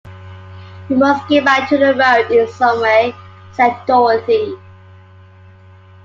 "We must get back to the road, in some way," said Dorothy.